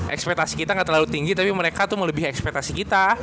ekspetasi kita ga terlalu tinggi tapi mereka tuh melebihi ekspetasi kita